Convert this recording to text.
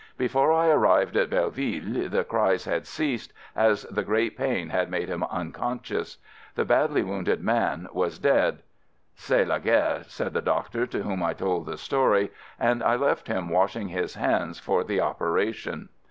Before I arrived at Belle ville, the cries had ceased, as the great pain had made him unconscious. The badly wounded man was dead. "C'est la guerre," said the doctor to whom I told the story — and I left him washing his hands for the operation.